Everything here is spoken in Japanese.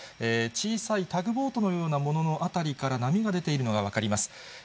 小さいタグボートのようなものの辺りから波が出ているのが分かります。